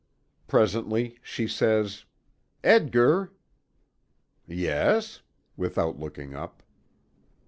Presently she says: "Edgar!" "Yes?" without looking up.